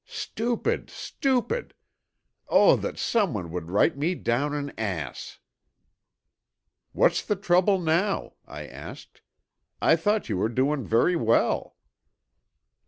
"Stupid, stupid. Oh, that someone would write me down an ass!" "What's the trouble, now?" I asked. "I thought you were doing very well."